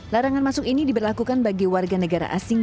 larangan masuk ini diberlakukan bagi warga negara asing